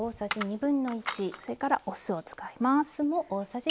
それからお酢を使います。